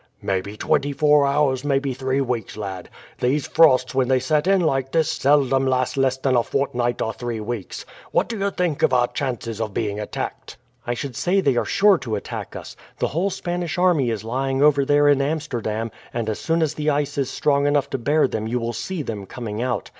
"Maybe twenty four hours, maybe three weeks, lad. These frosts when they set in like this seldom last less than a fortnight or three weeks. What do you think of our chances of being attacked?" "I should say they are sure to attack us. The whole Spanish army is lying over there in Amsterdam, and as soon as the ice is strong enough to bear them you will see them coming out.